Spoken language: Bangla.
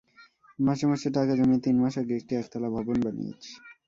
মাসে মাসে টাকা জমিয়ে তিন মাস আগে একটি একতলা ভবন বানিয়েছি।